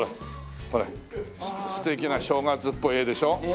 ほら素敵な正月っぽい絵でしょ？